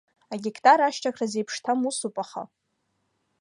Агектар ашьҭыхра зеиԥшҭам усуп аха…